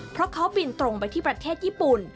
เพราะเขาบินตรงไปที่ประเทศญี่ปุ่น